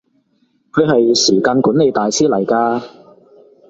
佢係時間管理大師嚟㗎